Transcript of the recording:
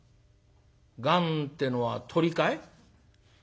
「がんってのは鳥かい？」。